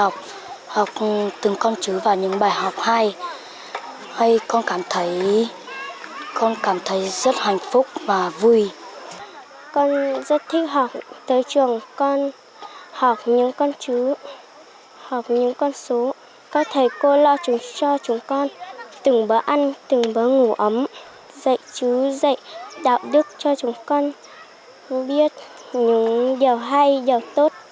con không biết nhiều hay nhiều tốt